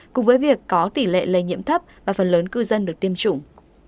cùng với việc có tỷ lệ lây nhiễm thấp và phần lớn cư dân được tiêm chủng